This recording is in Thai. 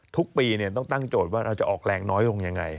ทุกปีต้องตั้งโจทย์ว่าเราจะออกแรงน้อยลงยังไง